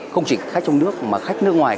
không chỉ khách trong nước mà khách nước ngoài